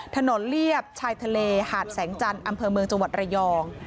เลียบชายทะเลหาดแสงจันทร์อำเภอเมืองจังหวัดระยอง